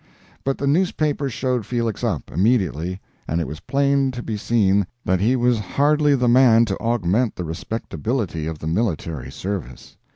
But the newspapers showed Felix up, immediately, and it was plain to be seen that he was hardly the man to augment the respectability of the military service.